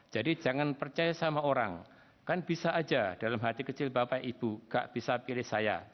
jadi jangan percaya sama orang kan bisa aja dalam hati kecil bapak ibu gak bisa pilih saya